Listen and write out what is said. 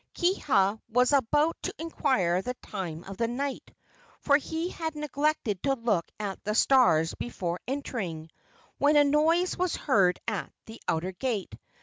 Kiha was about to inquire the time of the night for he had neglected to look at the stars before entering when a noise was heard at the outer gate.